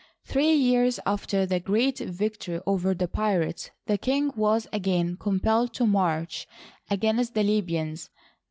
Three years after the great victory over the pirates, the king was again compelled to march against the Libyans.